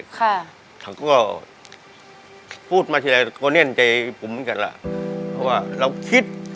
เขาก็พูดมาทีไรก็แน่นใจผมเหมือนกันล่ะเพราะว่าเราคิด